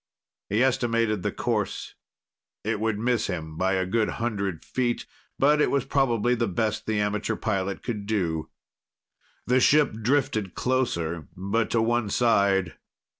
He estimated the course. It would miss him by a good hundred feet, but it was probably the best the amateur pilot could do. The ship drifted closer, but to one side.